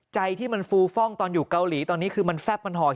ใจที่มันฟูฟ่องตอนอยู่เกาหลีตอนนี้คือมันแซ่บมันห่อน